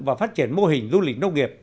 và phát triển mô hình du lịch nông nghiệp